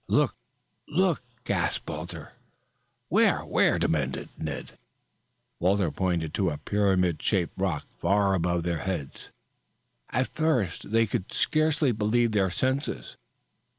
"Look! Look!" gasped Walter. "Where? Where?" demanded Ned. Walter pointed to a pyramid shaped rock far above their heads. At first they could scarcely believe their senses.